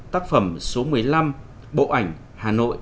tác phẩm số một mươi năm bộ ảnh hà nội